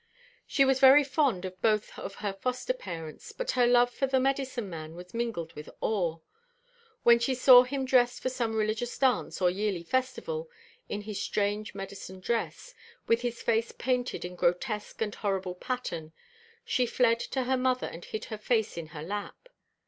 She was very fond of both of her foster parents; but her love for the medicine man was mingled with awe. When she saw him dressed for some religious dance or yearly festival, in his strange medicine dress, with his face painted in grotesque and horrible pattern, she fled to her mother and hid her face in her lap.